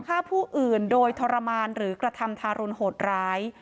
ฆ่าผู้อื่นโดยทรมานหรือกระทำทารุณโหดร้าย